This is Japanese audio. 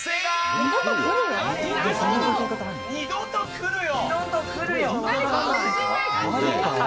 二度と来るよ。